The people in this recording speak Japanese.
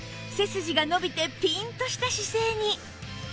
背筋が伸びてピンとした姿勢に